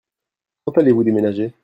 Quand allez-vous déménager ?